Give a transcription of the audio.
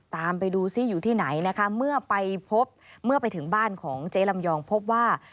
ตามไปดูซิอยู่ที่ไหนนะคะเมื่อไปพบเมื่อไปถึงบ้านของเจ๊ลำยองพบว่า